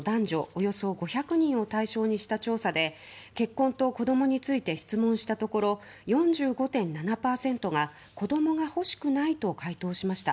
およそ５００人を対象にした調査で結婚と子供について質問したところ４５．７％が子供が欲しくないと回答しました。